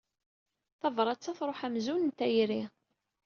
Tabṛat-a tṛuḥ amzun n tayri.